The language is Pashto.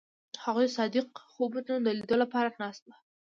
هغوی د صادق خوبونو د لیدلو لپاره ناست هم وو.